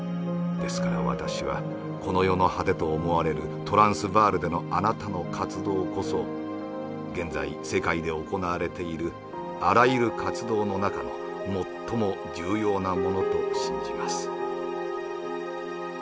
ですから私はこの世の果てと思われるトランス・ヴァールでのあなたの活動こそ現在世界で行われているあらゆる活動の中の最も重要なものと信じます」。